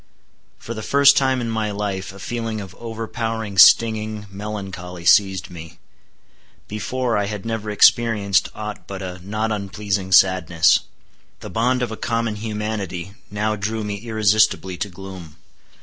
For the first time in my life a feeling of overpowering stinging melancholy seized me. Before, I had never experienced aught but a not unpleasing sadness. The bond of a common humanity now drew me irresistibly to gloom.